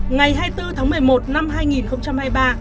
ngày hai mươi bốn tháng một mươi một năm hai nghìn hai mươi ba